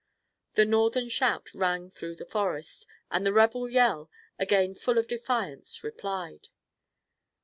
The Northern shout rang through the forest, and the rebel yell, again full of defiance, replied.